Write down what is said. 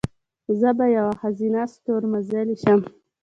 زه به یوه ښځینه ستورمزلې شم."